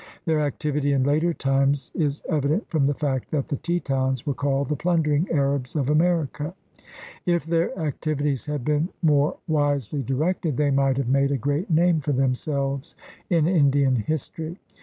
Their activity in later times is evident from the fact that the Tetons were called "the plundering Arabs of America." If their activities had been more wisely THE RED MAN IN AMERICA 157 directed, they might have made a great name for themselves in Indian history.